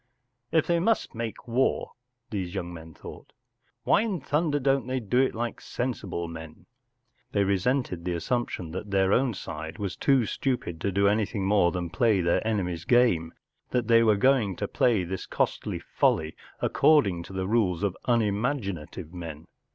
“ If they must make war,” these young men thought, “ why in thunder don't they do it like sensible men ? ” They resented the assump¬ tion that their own side was too stupid to do anything more than play their enemy’s game, that they were going to play this costly folly according to the rules of unimagi¬ native men.